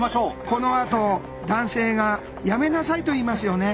このあと男性が「やめなさい」と言いますよね。